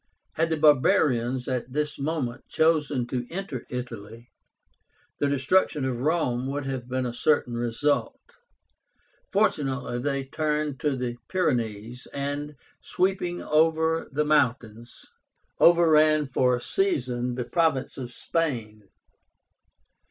Had the barbarians at this moment chosen to enter Italy, the destruction of Rome would have been a certain result. Fortunately, they turned to the Pyrenees, and, sweeping over the mountains, overran for a season the province of Spain.